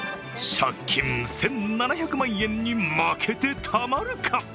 借金１７００万円に負けてたまるか。